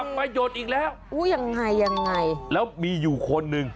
นั่นแหละสิอย่างไรแล้วมีอยู่คนหนึ่ง